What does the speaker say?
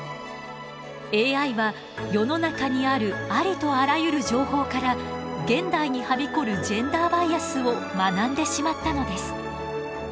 ＡＩは世の中にあるありとあらゆる情報から現代にはびこるジェンダーバイアスを学んでしまったのです。